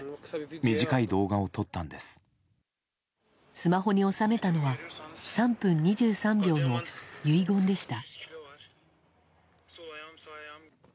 スマホに収めたのは３分２３秒の遺言でした。